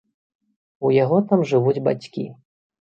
У яго там жывуць бацькі.